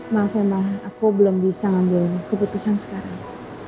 maafin mah aku belum bisa ngambil keputusan sekarang